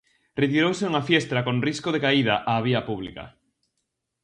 Retirouse unha fiestra con risco de caída á vía pública.